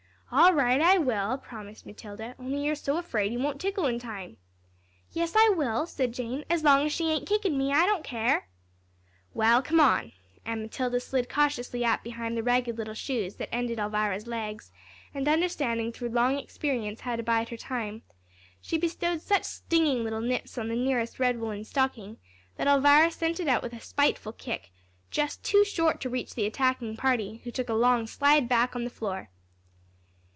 "All right, I will," promised Matilda; "only you're so afraid, you won't tickle in time." "Yes, I will," said Jane; "as long as she ain't kickin' me, I don't care." "Well, come on," and Matilda slid cautiously up behind the ragged little shoes that ended Elvira's legs, and, understanding through long experience how to bide her time, she bestowed such stinging little nips on the nearest red woollen stocking, that Elvira sent it out with a spiteful kick, just too short to reach the attacking party, who took a long slide back on the floor.